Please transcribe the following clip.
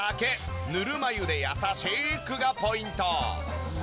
「ぬるま湯で優しく」がポイント。